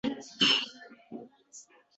Gapimni eshitgisi ham kelmadi.